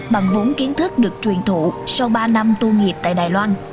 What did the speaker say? bằng vốn kiến thức được truyền thụ sau ba năm tu nghiệp tại đài loan